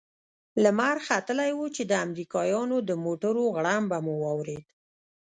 لمر ختلى و چې د امريکايانو د موټرو غړمبه مو واورېد.